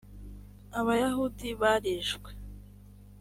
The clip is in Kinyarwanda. abayahudi barishwe.